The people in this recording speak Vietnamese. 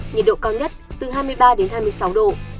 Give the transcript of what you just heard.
nhiệt độ cao nhất từ hai mươi ba đến hai mươi sáu độ